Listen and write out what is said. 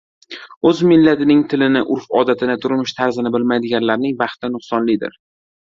O‘z millatining tilini, urf-odatlarini, turmush tarzini bilmaydiganlarning baxti nuqsonlidir.